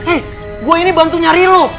eh gue ini bantu nyari lo